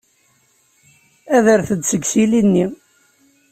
Adret-d seg yisili-nni.